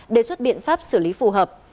đề xuất biện pháp xử lý phù hợp